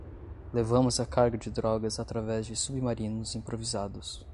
Levamos a carga de drogas através de submarinos improvisados